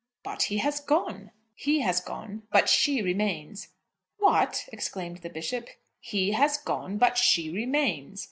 "But he has gone." "He has gone; but she remains." "What!" exclaimed the Bishop. "He has gone, but she remains."